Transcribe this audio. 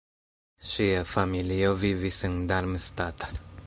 Ŝia familio vivis en Darmstadt.